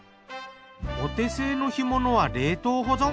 お手製の干物は冷凍保存。